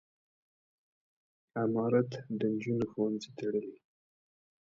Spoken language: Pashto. امارت د نجونو ښوونځي تړلي.